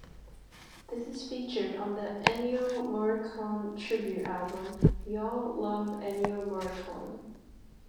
This is featured on the Ennio Morricone tribute album, "We All Love Ennio Morricone".